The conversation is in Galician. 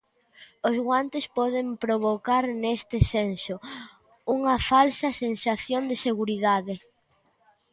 Os guantes poden provocar, neste senso, unha falsa sensación de seguridade.